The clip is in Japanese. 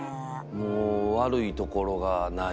もう悪いところがない。